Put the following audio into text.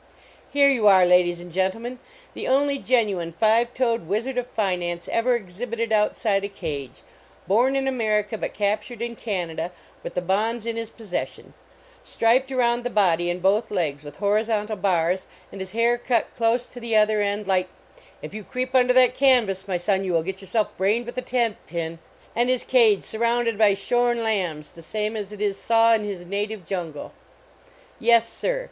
Here you are, ladies and gentlemen, the only genuine five toed Wizard of Finance ever exhibited outside a cage, born in Amer ica, but captured in Canada with the bonds in his possession, striped around the body and both legs with horizontal bars, and his hair cut close to the other end like if you creep under that canvas, my son, you will get yourself brained with a tent pin and his cage surrounded by shorn lambs the same as it is saw in his native jungle. Yes, sir!